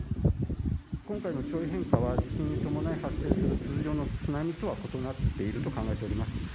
今回の潮位変化は、地震に伴い発生する通常の津波とは異なっていると考えております。